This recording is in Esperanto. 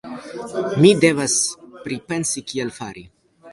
Mi devas pripensi kiel fari.